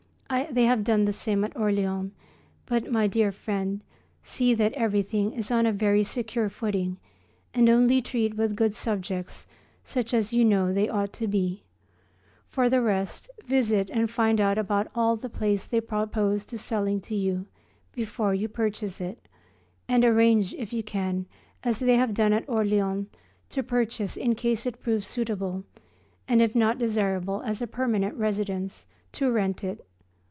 They have done the same at Orleans. But, my dear friend, see that everything is on a very secure footing and only treat with good subjects, such as you know they ought to be. For the rest visit and find out all about the place they propose selling to you before you purchase it, and arrange, if you can, as they have done at Orleans, to purchase in case it proves suitable, and if not desirable as a permanent residence, to rent it.